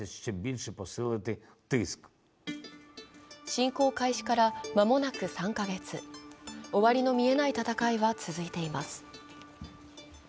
侵攻開始から間もなく３カ月終わりの見えない戦いは続いています。